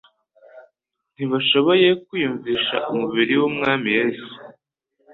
Ntibashoboye kwiyumvisha umubiri w'Umwami Yesu.